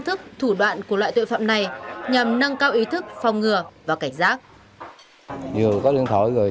thức thủ đoạn của loại tội phạm này nhằm nâng cao ý thức phòng ngừa và cảnh giác vừa có điện thoại rồi